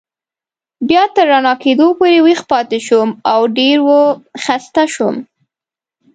بیا تر رڼا کېدو پورې ویښ پاتې شوم او ډېر و خسته شوم.